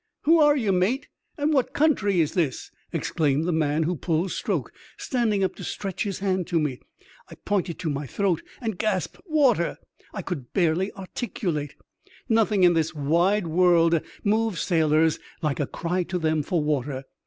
" Who are you, mate, and what country is this ?" exclaimed the man who pulled stroke, standing up to stretch his hand to me. EXTBAORDINAHY ADVENTUBE OF A CHIEF MATE 41 I pointed to my throat, and gasped, " Water !" 1 could barely articulate. Nothing in this wide world moves sailors like a cry to them for water.